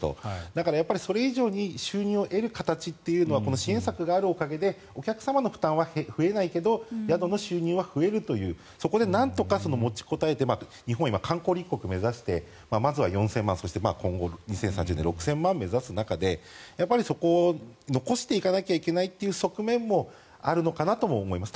だからそれ以上に収入を得る形というのはこの支援策があるおかげでお客様の負担は増えないけど宿の収入は増えるというそこでなんとか持ちこたえて日本は今、観光立国を目指してまずは４０００万そして今後、２０３０年６０００万を目指す中でやっぱりそこを残していかなきゃいけないという側面もあるのかなとも思います。